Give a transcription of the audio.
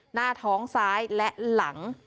หน้าท้องซ้ายและหลัง